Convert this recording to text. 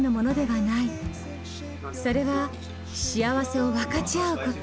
それは幸せを分かち合うこと。